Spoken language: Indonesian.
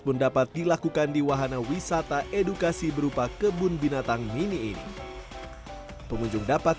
pun dapat dilakukan di wahana wisata edukasi berupa kebun binatang mini ini pengunjung dapat